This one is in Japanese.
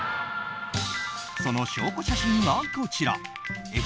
その証拠写真がこちら。